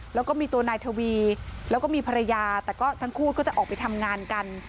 แล้วก็มีตัวนายทวีแล้วก็มีภรรยาแต่ก็ทั้งคู่ก็จะออกไปทำงานกัน